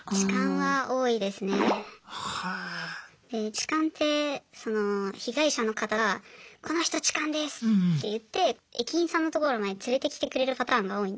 痴漢ってその被害者の方が「この人痴漢です」って言って駅員さんのところまで連れてきてくれるパターンが多いんですよね。